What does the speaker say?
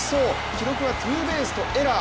記録はツーベースとエラー。